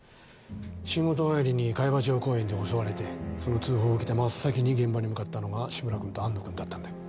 仕事帰りに茅場町公園で襲われてその通報を受けて真っ先に現場に向かったのが志村君と安野君だったんだよ